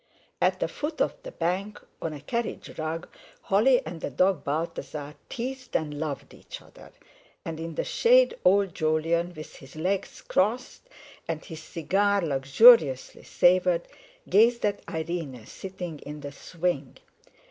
At the foot of the bank, on a carriage rug, Holly and the dog Balthasar teased and loved each other, and in the shade old Jolyon with his legs crossed and his cigar luxuriously savoured, gazed at Irene sitting in the swing.